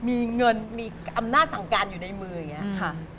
มีเงินมีอำนาจสั่งการอยู่ในมืออย่างนี้ค่ะ